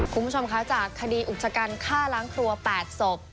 คุณผู้ชมคะจากคดีอุกชะกันฆ่าล้างครัว๘ศพ